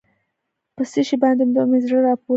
په څه شي باندې به مې زړه راپورته شي.